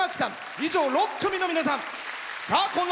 以上、６組の皆さん。